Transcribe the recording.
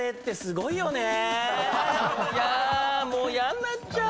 いやもうやんなっちゃう！